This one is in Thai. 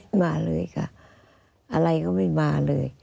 มาเลยค่ะอะไรก็ไม่มาเลย